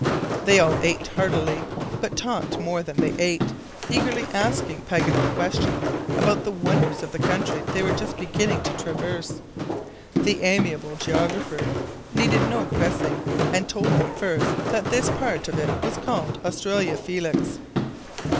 They all ate heartily, but talked more than they ate, eagerly asking Paganel questions about the wonders of the country they were just beginning to traverse. The amiable geographer needed no pressing, and told them first that this part of it was called Australia Felix.